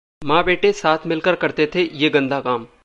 मां-बेटे साथ मिलकर करते थे ये 'गंदा' काम